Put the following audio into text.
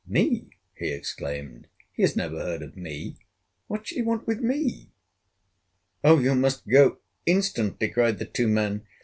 "Me!" he exclaimed. "He has never heard of me! What should he want with me?" "Oh! you must go instantly!" cried the two men.